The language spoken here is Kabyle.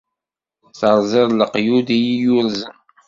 Terẓiḍ leqyud i iyi-yurzen.